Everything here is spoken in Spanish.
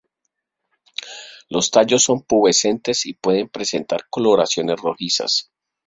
Los tallos son pubescentes y pueden presentar coloraciones rojizas.